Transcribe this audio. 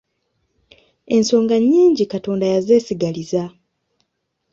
Ensonga nnyingi Katonda yazeesigaliza.